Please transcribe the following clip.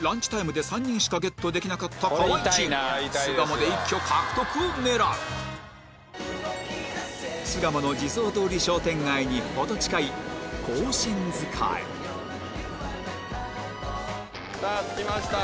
ランチタイムで３人しかゲットできなかった河合チーム巣鴨で一挙獲得を狙う巣鴨の地蔵通り商店街に程近い庚申塚へさあ着きました